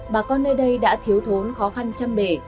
bà con nơi đây đã thiếu thốn khó khăn chăm bể